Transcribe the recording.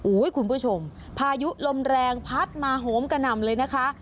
คุณผู้ชมพายุลมแรงพัดมาโหมกระหน่ำเลยนะคะ